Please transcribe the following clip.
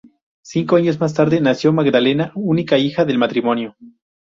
Cinco años más tarde nació Magdalena, única hija del matrimonio.